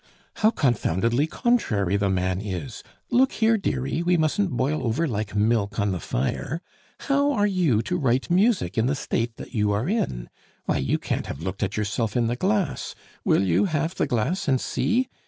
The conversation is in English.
"How confoundedly contrairy the man is! Look here, dearie, we mustn't boil over like milk on the fire! How are you to write music in the state that you are in? Why, you can't have looked at yourself in the glass! Will you have the glass and see?